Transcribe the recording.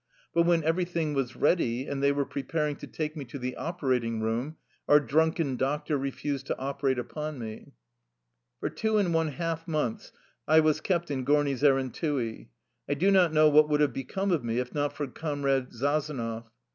But when everything was ready, and they were preparing to take me to the operating room, our drunken doctor refused to operate upon me. For two and one half months I was kept in Gorni Zerenttii. I do not know what would have become of me if not for Comrade Sazonov.